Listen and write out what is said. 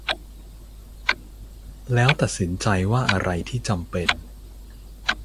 แล้วตัดสินใจว่าอะไรที่จำเป็น